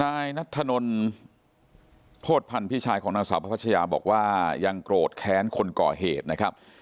นายนัทธนลโพธิพันธ์พี่ชายของนางสาวพระพัชยาบอกว่ายังโกรธแค้นคนก่อเหตุนะครับ